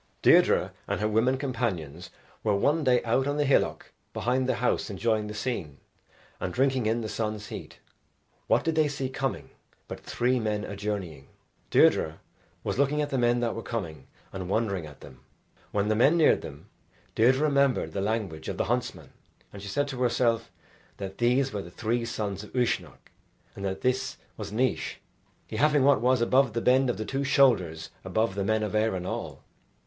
Deirdre and her women companions were one day out on the hillock behind the house enjoying the scene, and drinking in the sun's heat. What did they see coming but three men a journeying. Deirdre was looking at the men that were coming, and wondering at them. When the men neared them, Deirdre remembered the language of the huntsman, and she said to herself that these were the three sons of Uisnech, and that this was Naois, he having what was above the bend of the two shoulders above the men of Erin all.